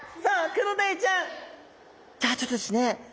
じゃあちょっとですね